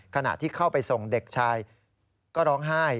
ขณะที่เข้าไปส่งเด็กชายก็ร้องไห้